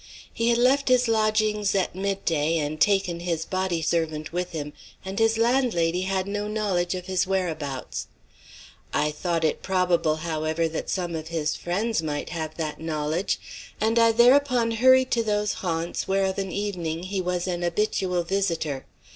He had left his lodgings at mid day and taken his body servant with him, and his landlady had no knowledge of his whereabouts. I thought it probable, however, that some of his friends might have that knowledge, and I thereupon hurried to those haunts where of an evening he was an habitual visitor.